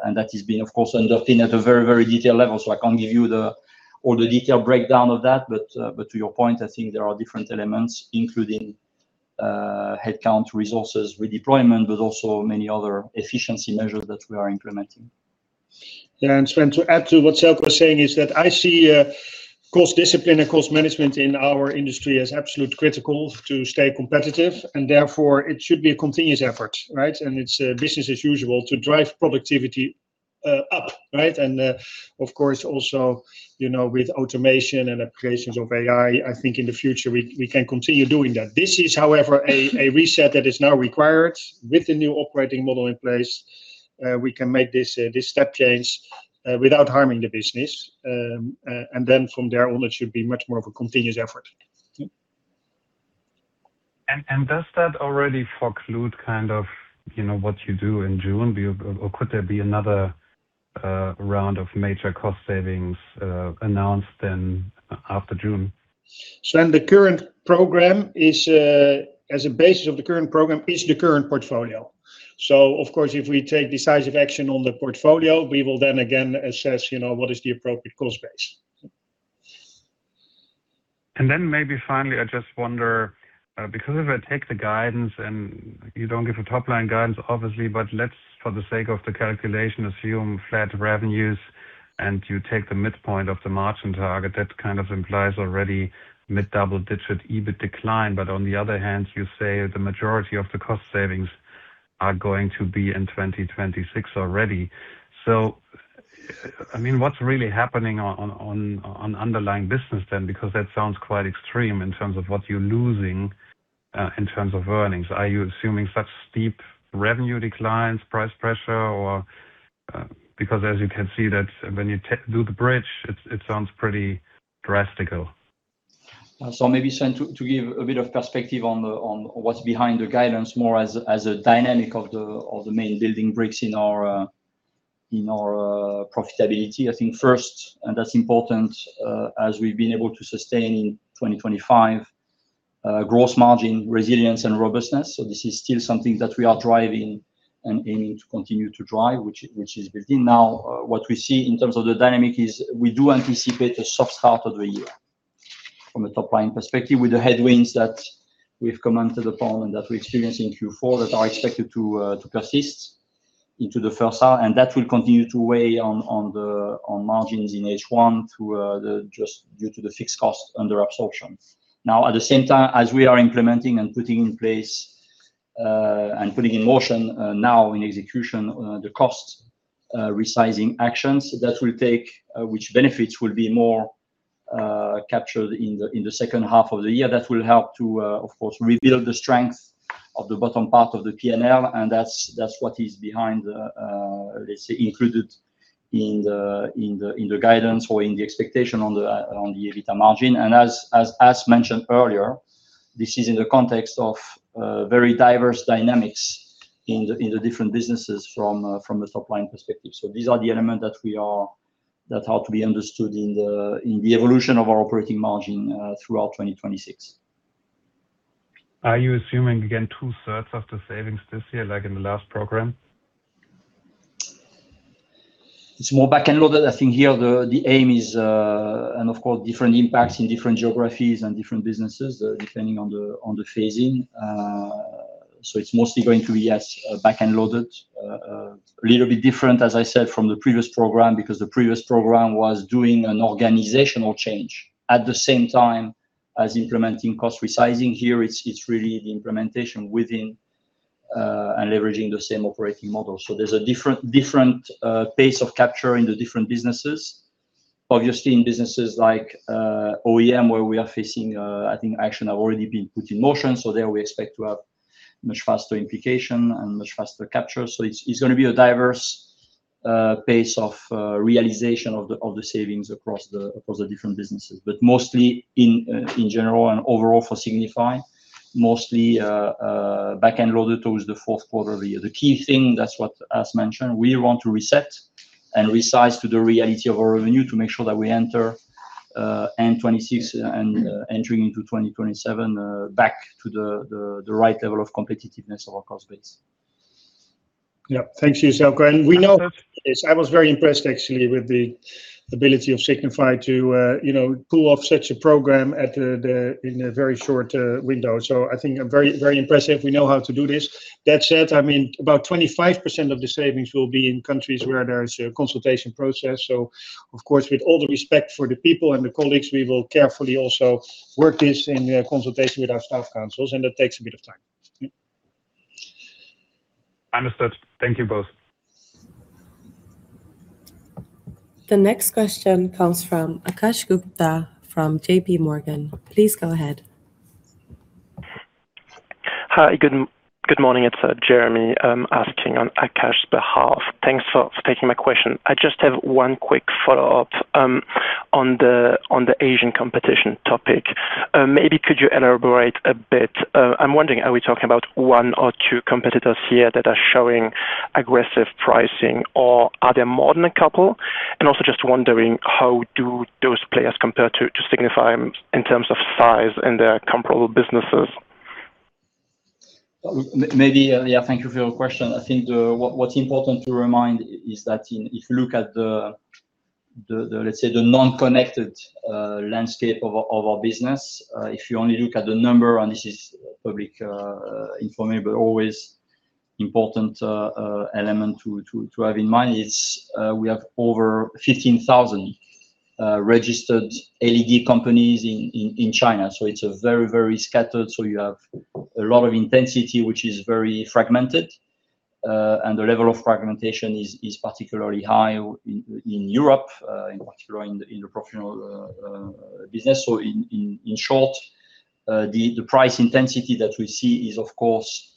and that is being, of course, conducted at a very, very detailed level, so I can't give you the all the detail breakdown of that. But, but to your point, I think there are different elements, including headcount, resources, redeployment, but also many other efficiency measures that we are implementing. Yeah, and Sven, to add to what Željko was saying, is that I see cost discipline and cost management in our industry as absolute critical to stay competitive, and therefore, it should be a continuous effort, right? And it's business as usual to drive productivity up, right? And, of course, also, you know, with automation and applications of AI, I think in the future, we can continue doing that. This is, however, a reset that is now required. With the new operating model in place, we can make this step change without harming the business. And then from there on, it should be much more of a continuous effort. Does that already preclude kind of, you know, what you do in June? Do you... Or could there be another round of major cost savings announced then after June? Sven, the current program is, as a basis of the current program, is the current portfolio. So of course, if we take decisive action on the portfolio, we will then again assess, you know, what is the appropriate cost base. And then maybe finally, I just wonder, because if I take the guidance and you don't give a top-line guidance, obviously, but let's, for the sake of the calculation, assume flat revenues, and you take the midpoint of the margin target, that kind of implies already mid-double digit EBIT decline. But on the other hand, you say the majority of the cost savings are going to be in 2026 already. So, I mean, what's really happening on underlying business then? Because that sounds quite extreme in terms of what you're losing in terms of earnings. Are you assuming such steep revenue declines, price pressure, or...? Because as you can see, that when you do the bridge, it sounds pretty drastic. So maybe, Sven, to give a bit of perspective on what's behind the guidance, more as a dynamic of the main building bricks in our profitability. I think first, and that's important, as we've been able to sustain in 2025, gross margin resilience and robustness, so this is still something that we are driving and aiming to continue to drive, which is built in. Now, what we see in terms of the dynamic is we do anticipate a soft start of the year from a top-line perspective, with the headwinds that we've commented upon and that we experienced in Q4, that are expected to persist into the first half. And that will continue to weigh on the margins in H1 through just due to the fixed cost under absorption. Now, at the same time, as we are implementing and putting in place and putting in motion now in execution the cost resizing actions that will take... which benefits will be more captured in the second half of the year, that will help to, of course, rebuild the strength of the bottom part of the P&L. And that's what is behind the, let's say, included in the guidance or in the expectation on the EBITA margin. And as mentioned earlier, this is in the context of very diverse dynamics in the different businesses from a top-line perspective. So these are the elements that we are that are to be understood in the evolution of our operating margin throughout 2026. Are you assuming, again, two-thirds of the savings this year, like in the last program? It's more back-end loaded. I think here the, the aim is... And of course, different impacts in different geographies and different businesses, depending on the, on the phasing. So it's mostly going to be, yes, back-end loaded. A little bit different, as I said, from the previous program, because the previous program was doing an organizational change at the same time as implementing cost resizing. Here, it's really the implementation within, and leveraging the same operating model. So there's a different, different, pace of capture in the different businesses. Obviously, in businesses like, OEM, where we are facing, I think action have already been put in motion, so there we expect to have much faster implication and much faster capture. So it's gonna be a diverse pace of realization of the savings across the different businesses. But mostly in general and overall for Signify, mostly back-end loaded towards the fourth quarter of the year. The key thing, that's what as mentioned, we want to reset and resize to the reality of our revenue to make sure that we enter end 2026 and entering into 2027 back to the right level of competitiveness of our cost base. Yeah. Thank you, Željko. And we know this, I was very impressed, actually, with the ability of Signify to, you know, pull off such a program in a very short window. So I think a very, very impressive. We know how to do this. That said, I mean, about 25% of the savings will be in countries where there is a consultation process. So of course, with all the respect for the people and the colleagues, we will carefully also work this in consultation with our staff councils, and that takes a bit of time. Understood. Thank you both. The next question comes from Akash Gupta from J.P. Morgan. Please go ahead. Hi, good morning, it's Jeremy asking on Akash's behalf. Thanks for taking my question. I just have one quick follow-up on the Asian competition topic. Maybe could you elaborate a bit? I'm wondering, are we talking about one or two competitors here that are showing aggressive pricing, or are there more than a couple? And also just wondering, how do those players compare to Signify in terms of size and their comparable businesses? Yeah, thank you for your question. I think what's important to remind is that if you look at the, let's say, the non-connected landscape of our business, if you only look at the number, and this is public information, but always important element to have in mind, it's we have over 15,000 registered LED companies in China, so it's a very, very scattered. So you have a lot of intensity, which is very fragmented, and the level of fragmentation is particularly high in Europe, in particular in the professional business. So in short, the price intensity that we see is, of course,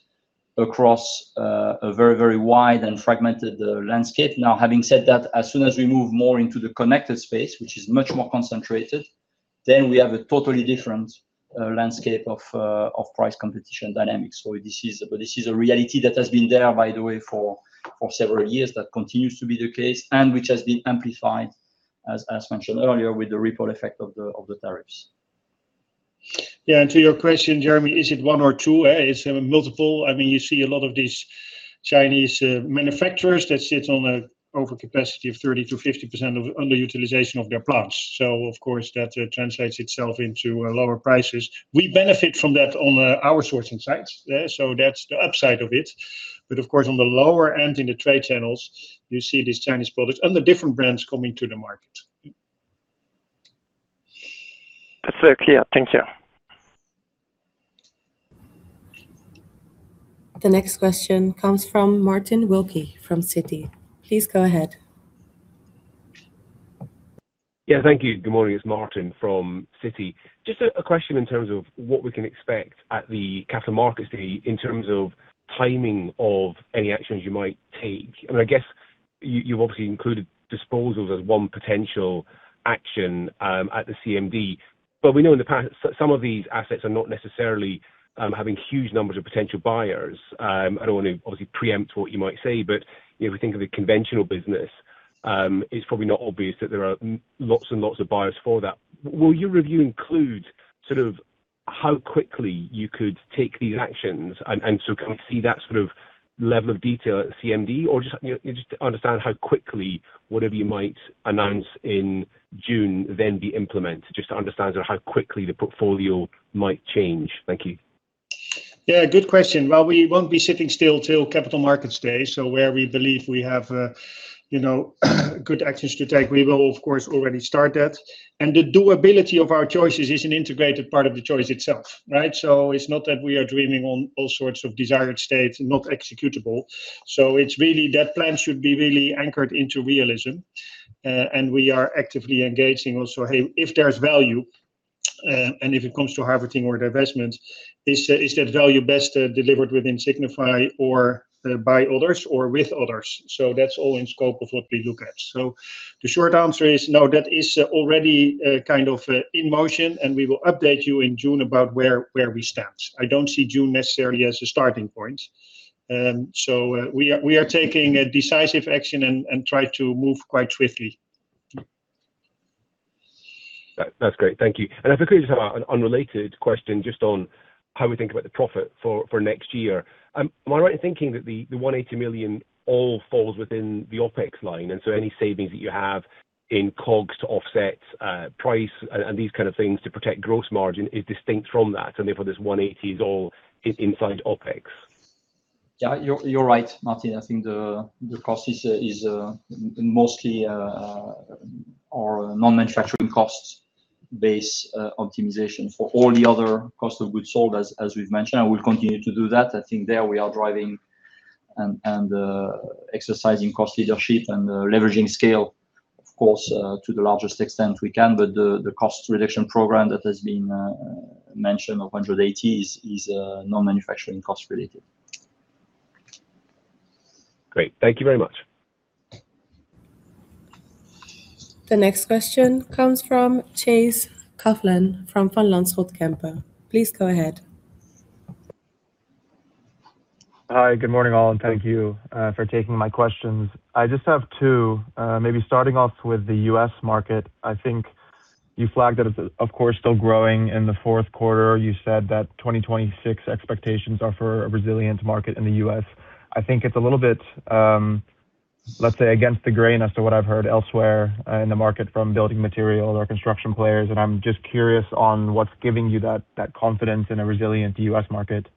across a very, very wide and fragmented landscape. Now, having said that, as soon as we move more into the connected space, which is much more concentrated, then we have a totally different, landscape of, of price competition dynamics. So this is a, this is a reality that has been there, by the way, for, for several years. That continues to be the case, and which has been amplified, as, as mentioned earlier, with the ripple effect of the, of the tariffs. Yeah, and to your question, Jeremy, is it one or two? It's multiple. I mean, you see a lot of these Chinese manufacturers that sit on an overcapacity of 30%-50% underutilization of their plants. So of course, that translates itself into lower prices. We benefit from that on our sourcing sides. So that's the upside of it. But of course, on the lower end, in the trade channels, you see these Chinese products under different brands coming to the market. That's clear. Thank you. The next question comes from Martin Wilkie from Citi. Please go ahead. Yeah, thank you. Good morning, it's Martin from Citi. Just a question in terms of what we can expect at the Capital Markets Day in terms of timing of any actions you might take. I mean, I guess you obviously included disposals as one potential action at the CMD, but we know in the past, some of these assets are not necessarily having huge numbers of potential buyers. I don't want to obviously preempt what you might say, but if we think of the conventional business, it's probably not obvious that there are lots and lots of buyers for that. Will your review include sort of how quickly you could take these actions? And so can we see that sort of level of detail at CMD? Just, you know, just to understand how quickly whatever you might announce in June then be implemented, just to understand sort of how quickly the portfolio might change. Thank you. Yeah, good question. Well, we won't be sitting still till Capital Markets Day, so where we believe we have, you know, good actions to take, we will of course, already start that. And the doability of our choices is an integrated part of the choice itself, right? So it's not that we are dreaming on all sorts of desired states not executable. So it's really that plan should be really anchored into realism, and we are actively engaging also, hey, if there's value, and if it comes to harvesting or divestment, is, is that value best, delivered within Signify or, by others or with others? So that's all in scope of what we look at. So the short answer is no, that is, already, kind of, in motion, and we will update you in June about where, where we stand. I don't see June necessarily as a starting point. We are taking a decisive action and try to move quite swiftly. That's great. Thank you. And if I could just have an unrelated question just on how we think about the profit for next year. Am I right in thinking that the 180 million all falls within the OpEx line, and so any savings that you have in COGS to offset price and these kind of things to protect gross margin is distinct from that, and therefore this 180 million is all inside OpEx? Yeah, you're right, Martin. I think the cost is mostly our non-manufacturing costs base optimization for all the other cost of goods sold, as we've mentioned, and we'll continue to do that. I think there we are driving and exercising cost leadership and leveraging scale, of course, to the largest extent we can. But the cost reduction program that has been mentioned of 180 is non-manufacturing cost related. Great. Thank you very much. The next question comes from Chase Coughlan from Van Lanschot Kempen. Please go ahead. Hi, good morning, all, and thank you for taking my questions. I just have two, maybe starting off with the U.S. market. I think you flagged that it's, of course, still growing in the fourth quarter. You said that 2026 expectations are for a resilient market in the U.S.. I think it's a little bit. Let's say, against the grain as to what I've heard elsewhere in the market from building material or construction players, and I'm just curious on what's giving you that confidence in a resilient U.S. market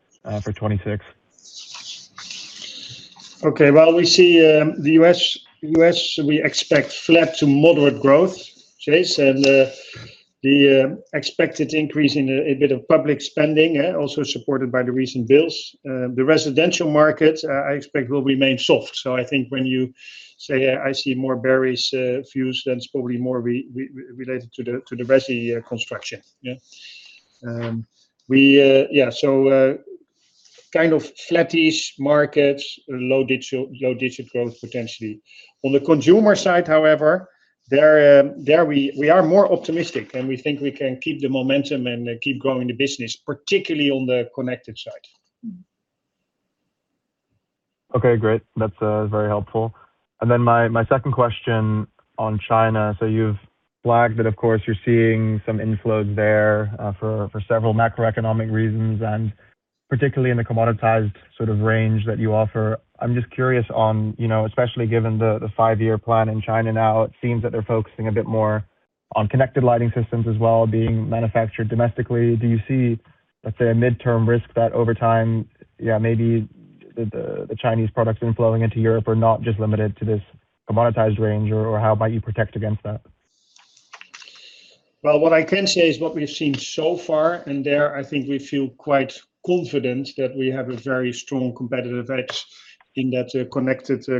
for 2026? Okay, well, we see the U.S. We expect flat to moderate growth, Chase, and the expected increase in a bit of public spending also supported by the recent bills. The residential market I expect will remain soft. So I think when you say I see more bearish views, then it's probably more related to the resi construction. Yeah. Yeah, so kind of flattish markets, low single-digit growth, potentially. On the consumer side, however, there we are more optimistic, and we think we can keep the momentum and keep growing the business, particularly on the connected side. Okay, great. That's very helpful. And then my second question on China. So you've flagged that, of course, you're seeing some inflows there for several macroeconomic reasons, and particularly in the commoditized sort of range that you offer. I'm just curious on, you know, especially given the five-year plan in China now, it seems that they're focusing a bit more on connected lighting systems as well, being manufactured domestically. Do you see, let's say, a midterm risk that over time, yeah, maybe the Chinese products flowing into Europe are not just limited to this commoditized range, or how might you protect against that? Well, what I can say is what we've seen so far, and there, I think we feel quite confident that we have a very strong competitive edge in that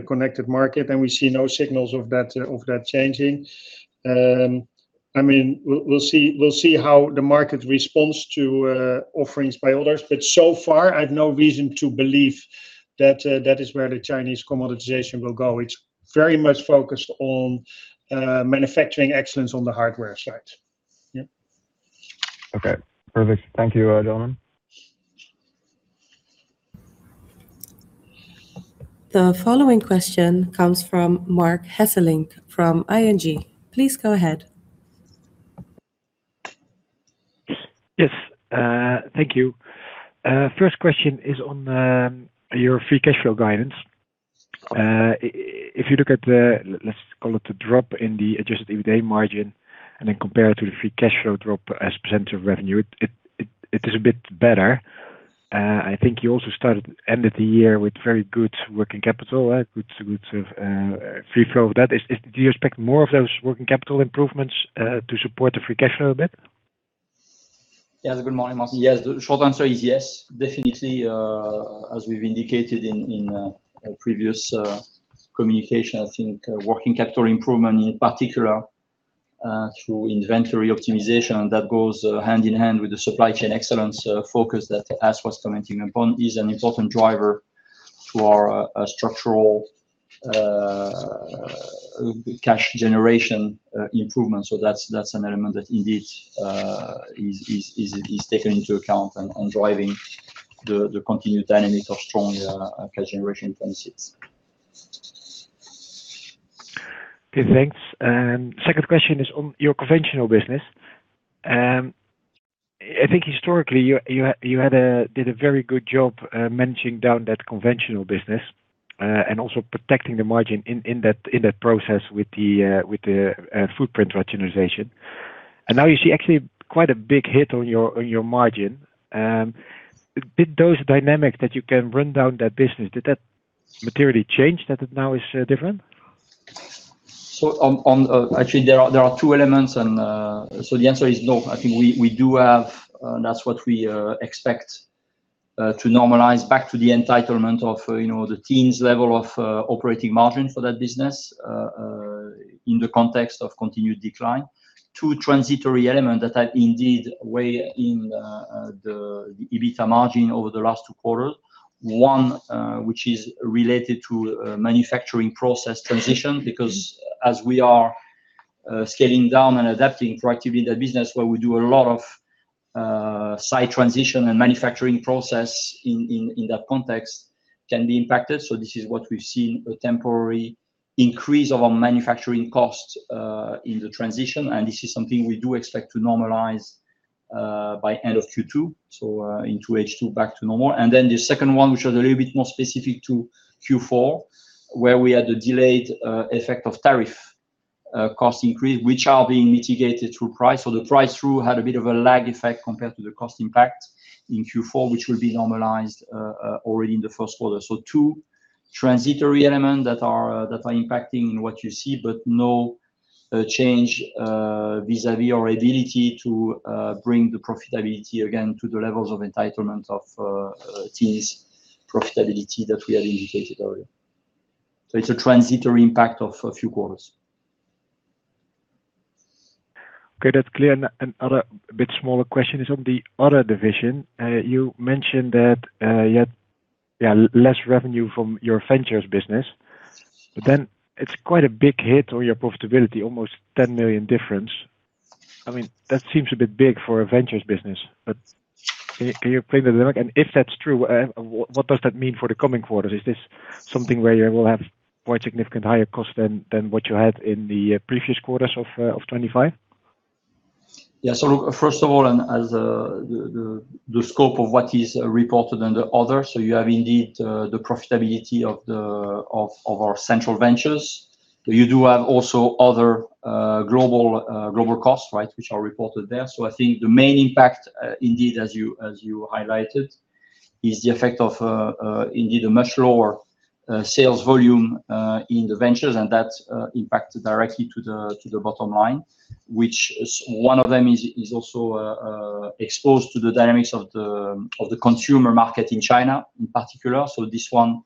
connected market, and we see no signals of that changing. I mean, we'll see how the market responds to offerings by others, but so far, I have no reason to believe that that is where the Chinese commoditization will go. It's very much focused on manufacturing excellence on the hardware side. Yeah. Okay, perfect. Thank you, gentlemen. The following question comes from Marc Hesselink from ING. Please go ahead. Yes, thank you. First question is on your free cash flow guidance. If you look at the, let's call it, the drop in the Adjusted EBITDA margin, and then compare it to the free cash flow drop as a percentage of revenue, it is a bit better. I think you also ended the year with very good working capital, good free flow of that. Do you expect more of those working capital improvements to support the free cash flow a bit? Yeah. Good morning, Mark. Yes, the short answer is yes. Definitely, as we've indicated in, in, previous, communication, I think, working capital improvement, in particular, through inventory optimization, and that goes, hand in hand with the supply chain excellence, focus that As Tempelman was commenting upon, is an important driver to our, structural, cash generation, improvement. So that's, that's an element that indeed, is, is, is, is taken into account and on driving the, the continued dynamic of strong, cash generation in 2026. Okay, thanks. Second question is on your conventional business. I think historically, you did a very good job managing down that conventional business, and also protecting the margin in that process with the footprint rationalization. Now you see actually quite a big hit on your margin. Did those dynamics that you can run down that business materially change, that it now is different? So actually, there are two elements and, so the answer is no. I think we do have, that's what we expect to normalize back to the entitlement of, you know, the teens level of operating margin for that business, in the context of continued decline. Two transitory elements that are indeed weighing in the EBITDA margin over the last two quarters. One, which is related to manufacturing process transition, because as we are scaling down and adapting proactively in that business where we do a lot of site transition and manufacturing process in that context can be impacted. So this is what we've seen, a temporary increase of our manufacturing costs, in the transition, and this is something we do expect to normalize, by end of Q2, so, into H2 back to normal. And then the second one, which was a little bit more specific to Q4, where we had the delayed, effect of tariff, cost increase, which are being mitigated through price. So the price through had a bit of a lag effect compared to the cost impact in Q4, which will be normalized, already in the first quarter. So two transitory elements that are, that are impacting in what you see, but no, change, vis-à-vis our ability to, bring the profitability again to the levels of entitlement of, teens profitability that we had indicated earlier. It's a transitory impact of a few quarters. Okay, that's clear. And other bit smaller question is on the other division. You mentioned that you had less revenue from your ventures business, but then it's quite a big hit on your profitability, almost 10 million difference. I mean, that seems a bit big for a ventures business, but can you explain the dynamic? And if that's true, what does that mean for the coming quarters? Is this something where you will have more significant higher costs than what you had in the previous quarters of 2025?... Yeah, so look, first of all, and as the scope of what is reported under other, so you have indeed the profitability of our central ventures. You do have also other global costs, right? Which are reported there. So I think the main impact, indeed, as you highlighted, is the effect of indeed a much lower sales volume in the ventures, and that impacted directly to the bottom line, which one of them is also exposed to the dynamics of the consumer market in China, in particular. So this one,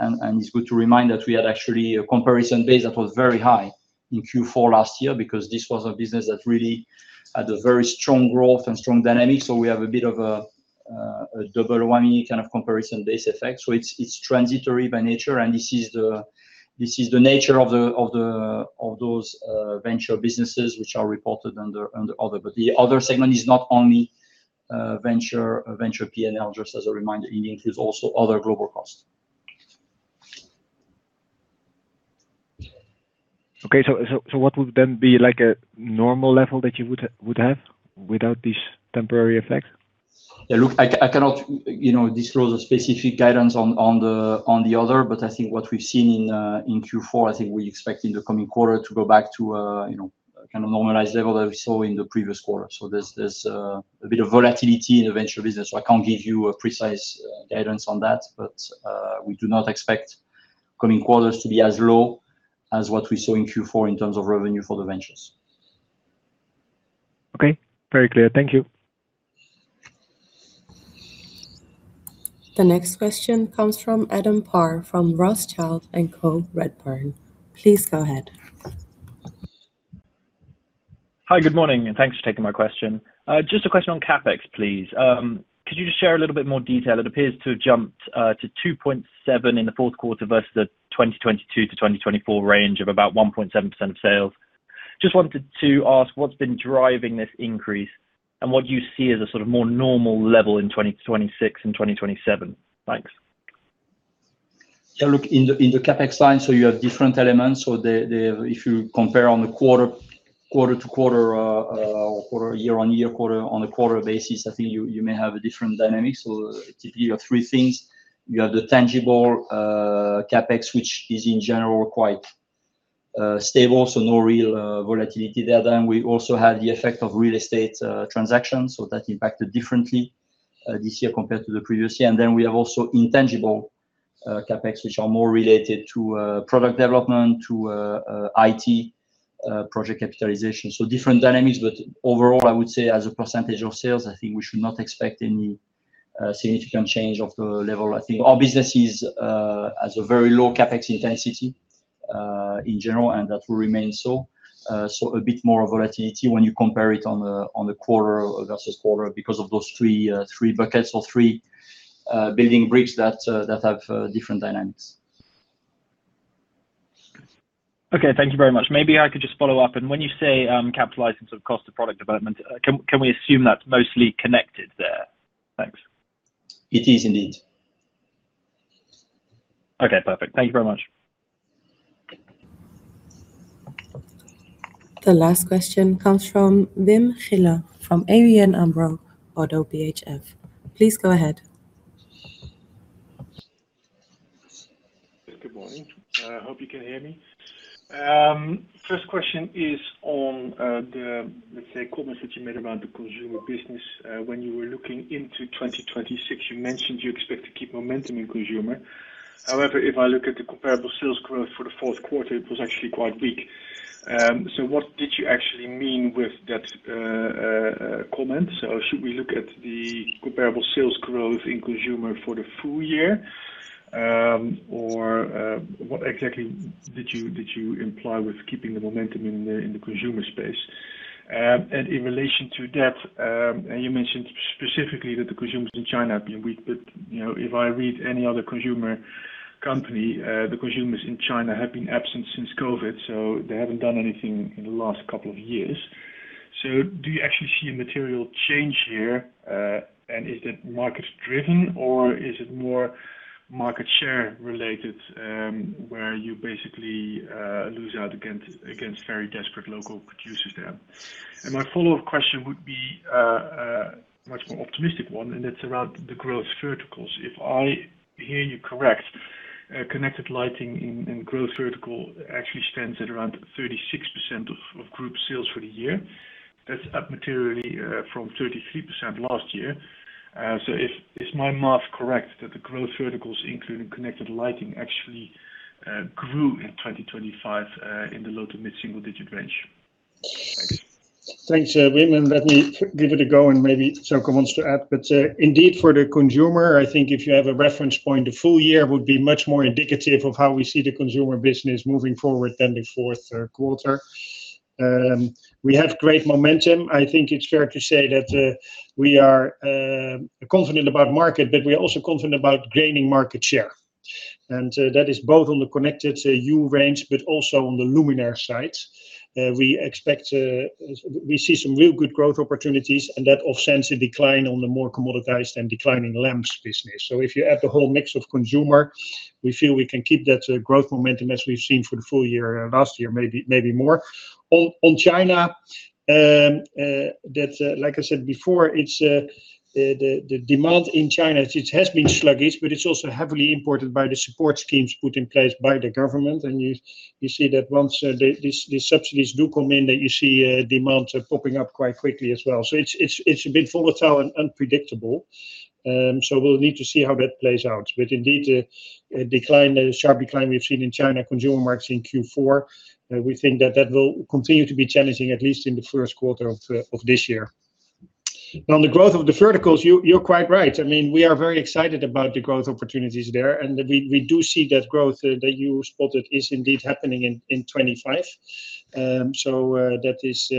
it's good to remind that we had actually a comparison base that was very high in Q4 last year, because this was a business that really had a very strong growth and strong dynamic. So we have a bit of a double whammy kind of comparison base effect. So it's transitory by nature, and this is the nature of those venture businesses which are reported under other. But the other segment is not only venture P&L, just as a reminder, it includes also other global costs. Okay. So, what would then be like a normal level that you would have without these temporary effects? Yeah, look, I cannot, you know, disclose a specific guidance on the other, but I think what we've seen in Q4, I think we expect in the coming quarter to go back to a, you know, kind of normalized level that we saw in the previous quarter. So there's a bit of volatility in the venture business, so I can't give you a precise guidance on that, but we do not expect coming quarters to be as low as what we saw in Q4 in terms of revenue for the ventures. Okay. Very clear. Thank you. The next question comes from Adam Parr, from Rothschild & Co Redburn. Please go ahead. Hi, good morning, and thanks for taking my question. Just a question on CapEx, please. Could you just share a little bit more detail? It appears to have jumped to 2.7 in the fourth quarter versus the 2022-2024 range of about 1.7% of sales. Just wanted to ask, what's been driving this increase, and what do you see as a sort of more normal level in 2026 and 2027? Thanks. Yeah, look, in the CapEx line, so you have different elements. So the... If you compare quarter to quarter, or quarter year-on-year, quarter on a quarter basis, I think you may have a different dynamic. So you have three things. You have the tangible CapEx, which is in general quite stable, so no real volatility there. Then we also had the effect of real estate transactions, so that impacted differently this year compared to the previous year. And then we have also intangible CapEx, which are more related to product development, to IT project capitalization. So different dynamics, but overall, I would say as a percentage of sales, I think we should not expect any significant change of the level. I think our business is has a very low CapEx intensity in general, and that will remain so. So a bit more volatility when you compare it on a quarter versus quarter because of those three, three buckets or three building bricks that that have different dynamics. Okay. Thank you very much. Maybe I could just follow up. And when you say, capitalizing sort of cost of product development, can we assume that's mostly connected there? Thanks. It is indeed. Okay, perfect. Thank you very much. The last question comes from Wim Gille from ABN AMRO – ODDO BHF. Please go ahead. Good morning. I hope you can hear me. First question is on, let's say, the comments that you made about the consumer business. When you were looking into 2026, you mentioned you expect to keep momentum in consumer. However, if I look at the comparable sales growth for the fourth quarter, it was actually quite weak. So what did you actually mean with that comment? So should we look at the comparable sales growth in consumer for the full year? Or what exactly did you imply with keeping the momentum in the consumer space? And in relation to that, and you mentioned specifically that the consumers in China have been weak, but, you know, if I read any other consumer company, the consumers in China have been absent since COVID, so they haven't done anything in the last couple of years. So do you actually see a material change here, and is it market driven, or is it more market share related, where you basically lose out against, against very desperate local producers there? And my follow-up question would be, a much more optimistic one, and it's around the growth verticals. If I hear you correct, connected lighting in, in growth vertical actually stands at around 36% of, of group sales for the year. That's up materially, from 33% last year. So, is my math correct that the growth verticals, including connected lighting, actually grew in 2025 in the low- to mid-single-digit range? Thanks, Wim, and let me give it a go and maybe Željko wants to add. But, indeed, for the consumer, I think if you have a reference point, the full year would be much more indicative of how we see the consumer business moving forward than the fourth quarter. We have great momentum. I think it's fair to say that, we are, confident about market, but we're also confident about gaining market share. And, that is both on the connected, Hue range, but also on the luminaire side. We expect, we see some real good growth opportunities, and that offsets the decline on the more commoditized and declining lamps business. So if you add the whole mix of consumer, we feel we can keep that, growth momentum as we've seen for the full year and last year, maybe, maybe more. On China, like I said before, it's the demand in China, it has been sluggish, but it's also heavily impacted by the support schemes put in place by the government. And you see that once these subsidies do come in, that you see demands popping up quite quickly as well. So it's a bit volatile and unpredictable. So we'll need to see how that plays out. But indeed, a sharp decline we've seen in China consumer markets in Q4, we think that will continue to be challenging, at least in the first quarter of this year. On the growth of the verticals, you're quite right. I mean, we are very excited about the growth opportunities there, and we do see that growth that you spotted is indeed happening in 2025. So that is...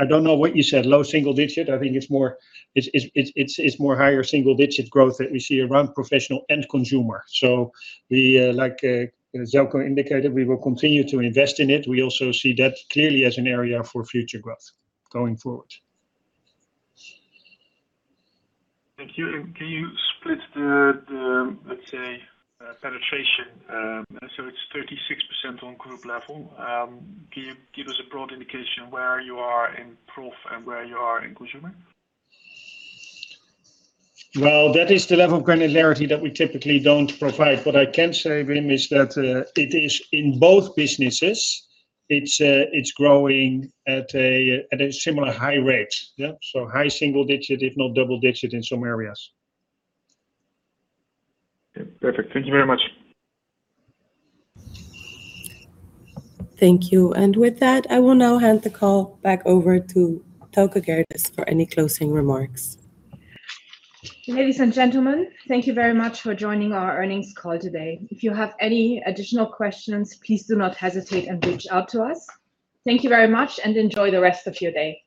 I don't know what you said, low single digit. I think it's more higher single digit growth that we see around professional and consumer. So like Željko indicated, we will continue to invest in it. We also see that clearly as an area for future growth going forward. Thank you. And can you split the, let's say, penetration? So it's 36% on group level. Can you give us a broad indication where you are in prof and where you are in consumer? Well, that is the level of granularity that we typically don't provide. What I can say, Wim, is that it is in both businesses. It's growing at a similar high rate. Yeah, so high single digit, if not double digit in some areas. Okay. Perfect. Thank you very much. Thank you. With that, I will now hand the call back over to Thelke Gerdes for any closing remarks. Ladies and gentlemen, thank you very much for joining our earnings call today. If you have any additional questions, please do not hesitate and reach out to us. Thank you very much, and enjoy the rest of your day.